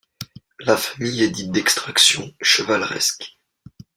La famille est dite d'extraction chevaleresque.